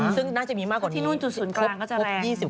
ซึ่งน่าจะมีมากกว่านี้ครบ๒๐กว่าคนแล้ว